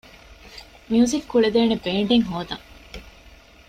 މިއުޒިކް ކުޅޭދޭނެ ބޭންޑެއް ހޯދަން